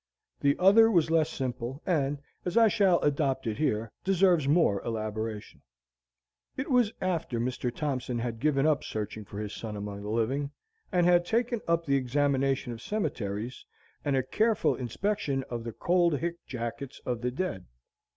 The other was less simple, and, as I shall adopt it here, deserves more elaboration. It was after Mr. Thompson had given up searching for his son among the living, and had taken to the examination of cemeteries, and a careful inspection of the "cold hic jacets of the dead."